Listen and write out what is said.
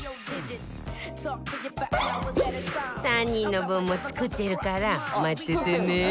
３人の分も作ってるから待っててね